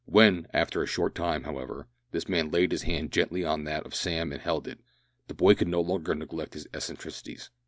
When, after a short time, however, this man laid his hand gently on that of Sam and held it, the boy could no longer neglect his eccentricities.